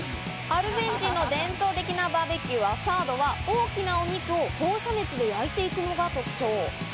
アルゼンチンの伝統的なバーベキュー、アサードは大きなお肉を放射熱で焼いていくのが特徴。